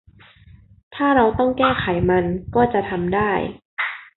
ถ้าเราต้องแก้ไขมันก็จะทำได้